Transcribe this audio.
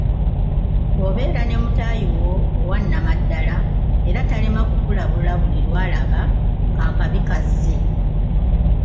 Bw'obeera ne mutaayi wo owannamaddala era talema kukulabula buli lwalaba nga akabi kazze.